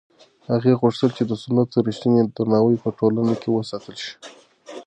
هغې غوښتل چې د سنتو رښتینی درناوی په ټولنه کې وساتل شي.